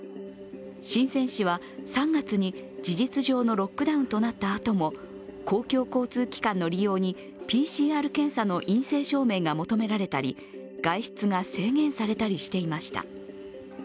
深セン市は３月に事実上のロックダウンとなったあとも公共交通機関の利用にＰＣＲ検査の陰性証明が求められたり外出が制限されたりしていました。